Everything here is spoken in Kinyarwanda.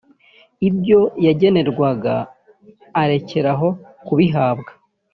ibyo yagenerwaga arekeraho kubihabwa